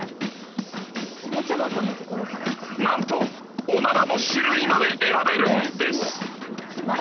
［何とおならの種類まで選べるんです］